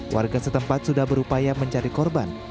warga setempat sudah berupaya mencari korban